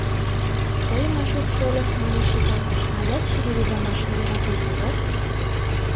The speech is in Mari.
— Тый, Мачук шольо, — манеш Ипат, — алят чевер ӱдырамашым йӧратет, ужат?